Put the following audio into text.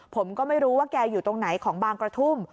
ผมก็ไม่รู้ว่าแกอยู่ตรงไหนของบางกระทุ่ม